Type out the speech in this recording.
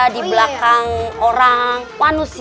di belakang orang manusia